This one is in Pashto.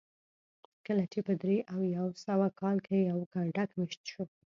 کله چې په درې او یو سوه کال کې یو کنډک مېشت شو